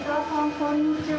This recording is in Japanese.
こんにちは。